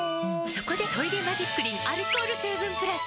そこで「トイレマジックリン」アルコール成分プラス！